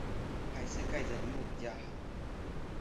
還是蓋著螢幕比較好